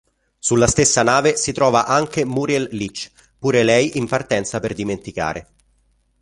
Sulla stessa nave si trova anche Muriel Leach, pure lei in partenza per dimenticare.